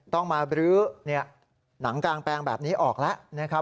ต้องมาบรื้อหนังกางแปลงแบบนี้ออกแล้วนะครับ